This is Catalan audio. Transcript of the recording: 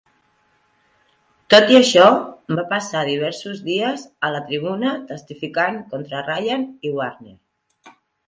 Tot i això, va passar diversos dies a la tribuna testificant contra Ryan i Warner.